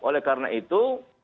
oleh karena itu